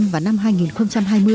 vào năm hai nghìn hai mươi